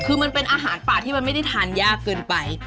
คือมันเป็นอาหารป่าที่มันไม่ได้ทานยากเกินไป